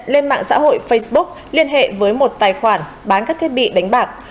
lên mạng xã hội facebook liên hệ với một tài khoản bán các thiết bị đánh bạc